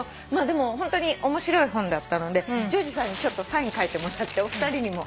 でもホントに面白い本だったので譲二さんにサイン書いてもらってお二人にも。